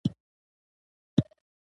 دوی اصلي مرکز د مدینې ښار وو.